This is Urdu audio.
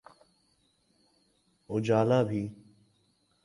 اجالا بھی۔